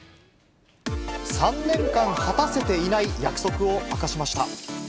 ３年間果たせていない約束を明かしました。